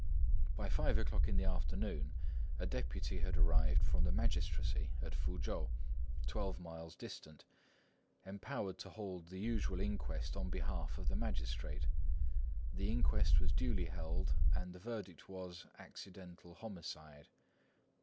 By five o'clock in the afternoon, a deputy had arrived from the magistracy at Foochow, twelve miles distant, empowered to hold the usual inquest on behalf of the magistrate. The inquest was duly held, and the verdict was "accidental homicide."